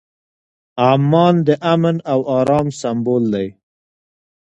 عمان د امن او ارام سمبول دی.